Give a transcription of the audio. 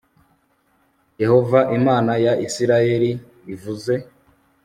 yehova imana ya isirayeli ivuze